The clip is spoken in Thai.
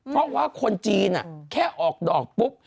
เพราะว่าคนจีนแค่ออกดอกปุ๊บ